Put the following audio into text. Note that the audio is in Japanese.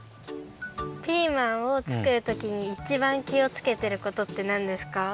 ピーマンをつくるときにいちばんきをつけてることってなんですか？